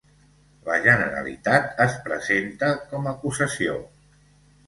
La Generalitat es presenta com acusació